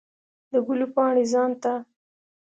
د ګلو پاڼې ځان ته